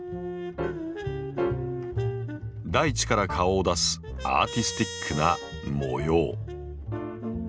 大地から顔を出すアーティスティックな模様。